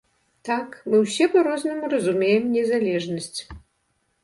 Так, мы ўсе па-рознаму разумеем незалежнасць.